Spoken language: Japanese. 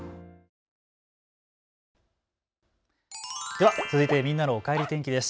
では続いてみんなのおかえり天気です。